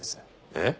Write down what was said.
えっ！？